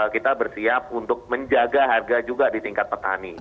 kita bersiap untuk menjaga harga juga di tingkat petani